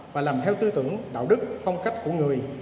và làm theo tư tưởng đạo đức phong cách của người